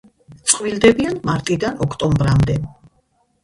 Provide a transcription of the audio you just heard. წყვილდებიან მარტიდან ოქტომბრამდე.